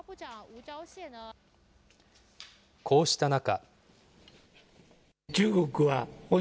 こうした中。